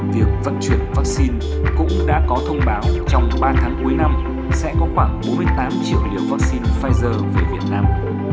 việc vận chuyển vắc xin cũng đã có thông báo trong ba tháng cuối năm sẽ có khoảng bốn mươi tám triệu liều vắc xin pfizer về việt nam